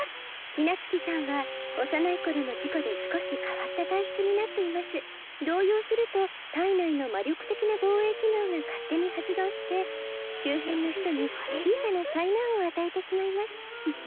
陽夏木さんは幼い頃の事故で少し変わった体質になっています動揺すると体内の魔力的な防衛機能が勝手に発動して周辺の人に小さな災難を与えてしまいます